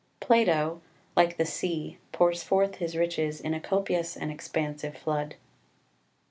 Plato, like the sea, pours forth his riches in a copious and expansive flood.